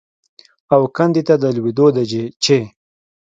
او کندې ته د لوېدو ده چې